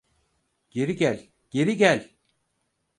Geri gel, geri gel.